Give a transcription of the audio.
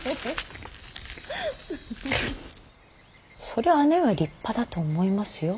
そりゃ姉上は立派だと思いますよ。